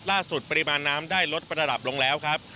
ปริมาณน้ำได้ลดระดับลงแล้วครับ